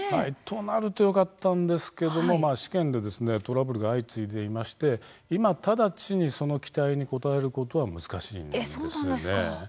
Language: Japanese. となるとよかったんですけども試験でトラブルが相次いでいまして今、直ちにその期待に応えることは難しいんです。